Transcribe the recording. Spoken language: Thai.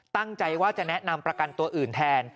ตั้งใจว่าจะแนะนำประกันตัวอื่นแทน